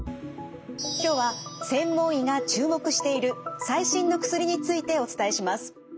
今日は専門医が注目している最新の薬についてお伝えします。